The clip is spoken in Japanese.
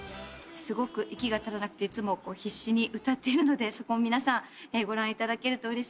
すごく息が足らなくていつも必死に歌ってるのでそこを皆さんご覧いただけるとうれしいです。